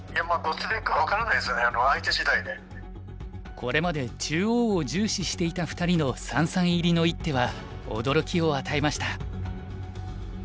これまで中央を重視していた２人の三々入りの一手は驚きを与えました。